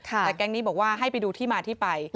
แต่แก๊งนี้บอกว่าให้ไปดูที่มาที่ไป